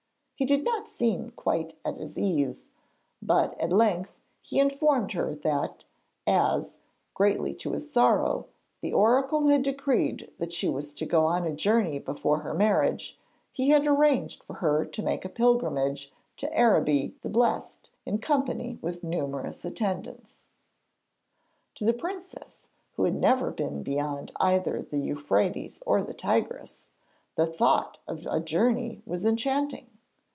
He did not seem quite at his ease, but at length he informed her that as, greatly to his sorrow, the oracle had decreed that she was to go on a journey before her marriage, he had arranged for her to make a pilgrimage to Araby the Blest in company with numerous attendants. To the princess, who had never been beyond either the Euphrates or the Tigris, the thought of a journey was enchanting.